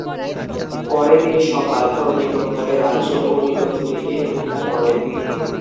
পরে তিনি সব বাধা অতিক্রম করে রাজ্য ও হৃত স্ত্রীকে উদ্ধার করেন।